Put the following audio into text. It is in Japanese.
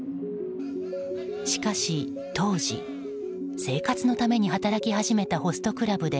しかし当時、生活のために働き始めたホストクラブで